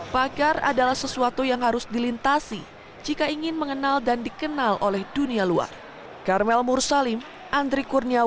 pakar adalah sesuatu yang harus dilintasi jika ingin mengenal dan dikenal oleh dunia luar